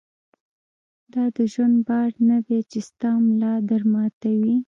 دا د ژوند بار نه دی چې ستا ملا در ماتوي.